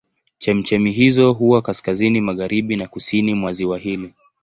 Chemchemi hizo huwa kaskazini magharibi na kusini mwa ziwa hili.